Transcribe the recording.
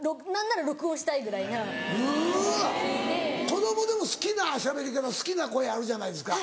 子供でも好きなしゃべり方好きな声あるじゃないですか。